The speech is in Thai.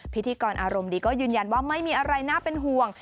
พิธีกรอารมณ์ดีก็ยืนยันว่าไม่มีอะไรน่าเป็นห่วง